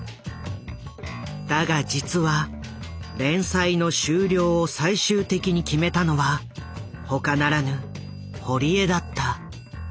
だが実は連載の終了を最終的に決めたのはほかならぬ堀江だった。